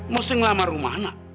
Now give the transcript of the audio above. masih ngelamar rumana